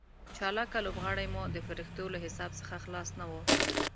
چالاکه لوبغاړي مو د فرښتو له حساب څخه خلاص نه وو.